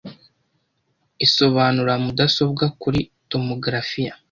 isobanura mudasobwa kuri tomogarafiya,